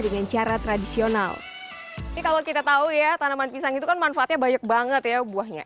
dengan cara tradisional kalau kita tahu ya tanaman pisang itu kan manfaatnya banyak banget ya buahnya